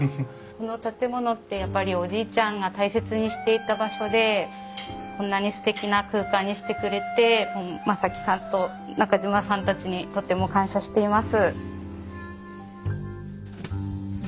この建物ってやっぱりおじいちゃんが大切にしていた場所でこんなにすてきな空間にしてくれて真己さんと中島さんたちにとても感謝しています。